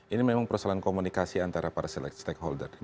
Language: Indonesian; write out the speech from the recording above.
ini memang persoalan komunikasi antara para select stakeholder